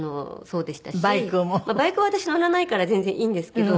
バイクは私乗らないから全然いいんですけど。